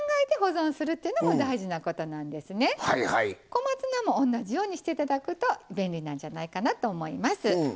小松菜も同じようにして頂くと便利なんじゃないかなと思います。